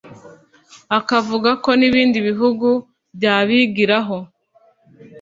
akavuga ko n’ibindi bihugu byabigiraho